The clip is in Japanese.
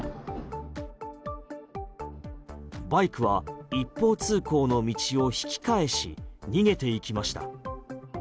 バイクは一方通行の道を引き返し逃げていきました。